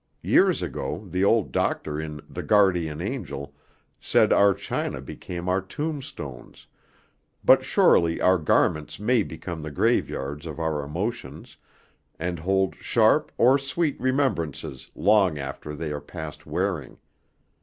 Years ago the old doctor in "The Guardian Angel" said our china became our tombstones, but surely our garments may become the graveyards of our emotions, and hold sharp or sweet remembrances long after they are past wearing.